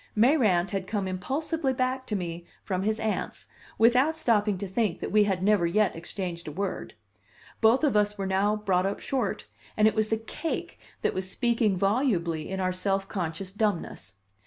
Mayrant had come impulsively back to me from his aunts, without stopping to think that we had never yet exchanged a word; both of us were now brought up short, and it was the cake that was speaking volubly in our self conscious dumbness.